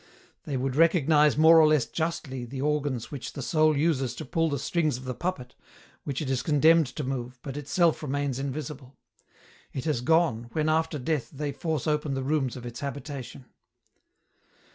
They would recognize more or less justly the organs which the soul uses to pull the strings of the puppet, which it is condemned to move, but itself remains invisible ; it has gone, when after death they force open the rooms of its habitation.